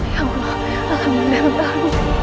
ya allah alhamdulillah